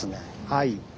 はい。